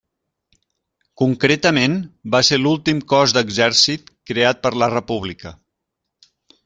Concretament, va ser l'últim cos d'exèrcit creat per la República.